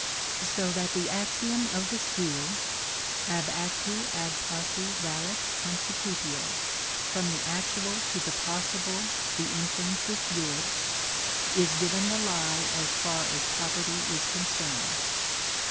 So that the axiom of the school ab actu ad posse valet consecutio: from the actual to the possible the inference is good is given the lie as far as property is concerned.